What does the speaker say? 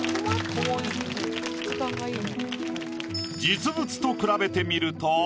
実物と比べてみると。